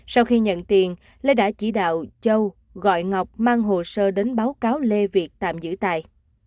sau khi nhận tiền lê đã chỉ đạo châu gọi ngọc mang hồ sơ đến báo cáo lê việt tạm giữ tài